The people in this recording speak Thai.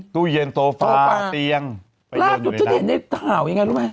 ตู้เย็นโตฟาเตียงไปโยนอยู่ในนั้นราบทุกเธอเห็นในข่าวยังไงรู้ไหม